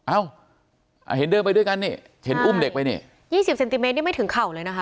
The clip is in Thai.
เอ้าเห็นเดินไปด้วยกันนี่เห็นอุ้มเด็กไปนี่ยี่สิบเซนติเมตรนี่ไม่ถึงเข่าเลยนะคะ